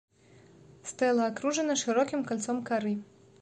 Стэла акружана шырокім кальцом кары.